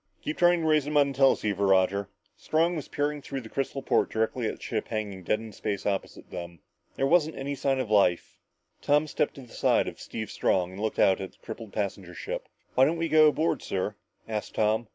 "Keep trying to raise them on the teleceiver, Roger." Strong was peering through a crystal port directly at the ship hanging dead in space opposite them. There wasn't any sign of life. Tom stepped to the side of Steve Strong and looked out at the crippled passenger ship. "Why don't we go aboard, sir?" asked Tom.